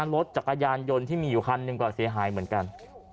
รถจักรยานยนต์ที่มีอยู่คันหนึ่งก็เสียหายเหมือนกัน